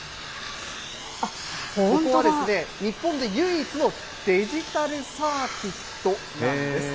ここはですね、日本で唯一のデジタルサーキットなんです。